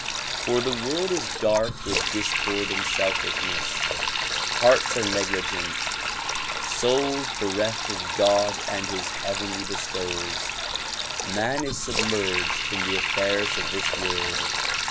For the world is dark with discord and selfishness, hearts are negligent, souls bereft of God and his heavenly bestowals. j\Ian is submerged in the affairs of this world.